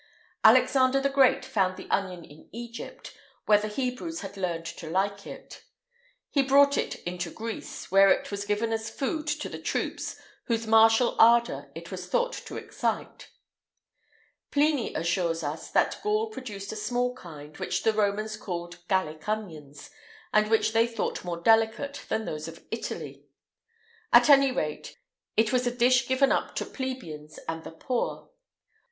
Alexander the Great found the onion in Egypt, where the Hebrews had learned to like it.[IX 143] He brought it into Greece, where it was given as food to the troops, whose martial ardour[IX 144] it was thought to excite. Pliny assures us that Gaul produced a small kind, which the Romans called Gallic onions, and which they thought more delicate than those of Italy.[IX 145] At any rate, it was a dish given up to plebeians and the poor.